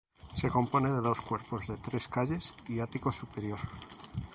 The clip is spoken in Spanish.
Se compone de dos cuerpos de tres calles y ático superior.